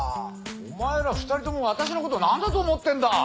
お前ら２人とも私のこと何だと思ってんだ！